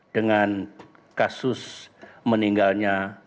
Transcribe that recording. dengan kasus meninggalnya